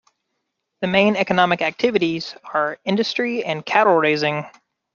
The main economic activities are industry and cattle raising.